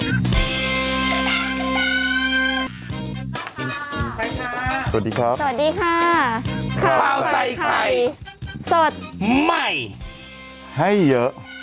สวัสดีค่ะสวัสดีครับสวัสดีค่ะข้าวใส่ไข่สดใหม่ให้เยอะ